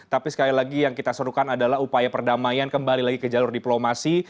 tapi sekali lagi yang kita serukan adalah upaya perdamaian kembali lagi ke jalur diplomasi